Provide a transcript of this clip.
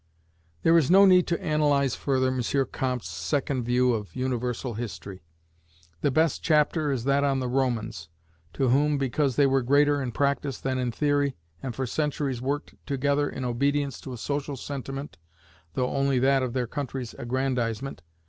There is no need to analyze further M. Comte's second view of universal history. The best chapter is that on the Romans, to whom, because they were greater in practice than in theory, and for centuries worked together in obedience to a social sentiment (though only that of their country's aggrandizement), M.